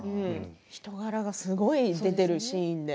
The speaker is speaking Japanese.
人柄がすごく出ているシーンで。